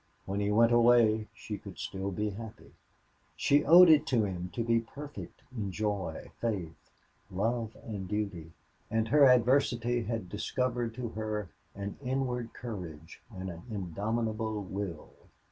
When he went away she could still be happy. She owed it to him to be perfect in joy, faith, love, and duty; and her adversity had discovered to her an inward courage and an indomitable will.